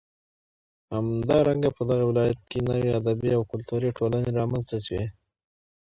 همدارنگه په دغه ولايت كې نوې ادبي او كلتوري ټولنې رامنځ ته شوې.